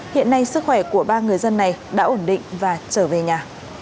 hiện nay sức khỏe của ba người dân này đã ổn định và trở về nhà